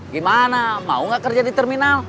gimana mau gak kerja di terminal